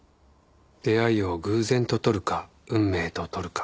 出会いを偶然と取るか運命と取るか。